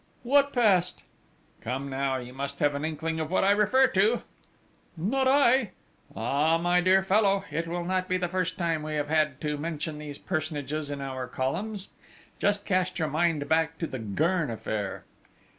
"What past?" "Come now, you must have an inkling of what I refer to!" "Not I!" "Ah, my dear fellow, it will not be the first time we have had to mention these personages in our columns!... Just cast your mind back to the Gurn affair!..."